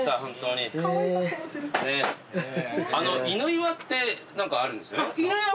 犬岩って何かあるんですよね？